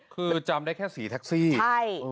คือจำได้แค่สีแท็กซี่ใช่